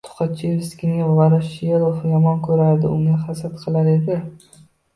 Tuxachevskiyni Voroshilov yomon ko’rardi. Unga hasad qilar edi.